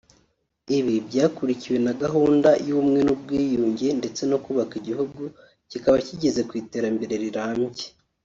Ibi byakurikiwe na gahunda y’ubumwe n’ubwiyunge ndetse no kubaka igihugu kikaba kigeze ku iterambere rirambye